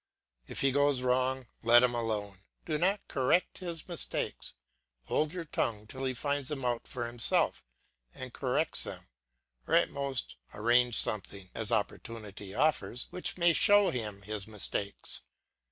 If he goes wrong let him alone, do not correct his mistakes; hold your tongue till he finds them out for himself and corrects them, or at most arrange something, as opportunity offers, which may show him his mistakes.